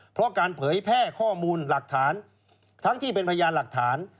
เพราะการเผยแพร่ข้อมูลหลักฐานทั้งที่เป็นพยานหลักฐาน